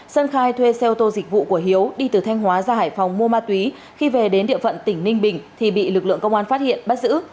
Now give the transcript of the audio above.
sơn khai thuê xe ô tô dịch vụ của hiếu đi từ thanh hóa ra hải phòng mua ma túy khi về đến địa phận tỉnh ninh bình thì bị lực lượng công an phát hiện bắt giữ